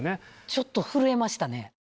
ちょっと震えましたね。